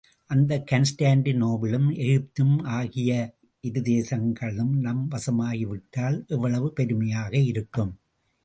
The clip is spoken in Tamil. அந்தக் கான்ஸ்டாண்டி நோபிலும், எகிப்தும் ஆகிய இரு தேசங்களும் நம் வசமாகிவிட்டால் எவ்வளவு பெருமையாக இருக்கும்?